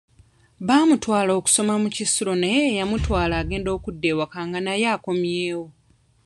Baamutwala okusoma mu kisulo naye eyamutwala agenda okudda ewaka nga naye akomyewo.